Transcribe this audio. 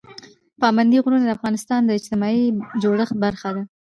پابندي غرونه د افغانستان د اجتماعي جوړښت برخه ده.